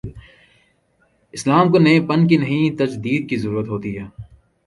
اسلام کو نئے پن کی نہیں، تجدید کی ضرورت ہو تی ہے۔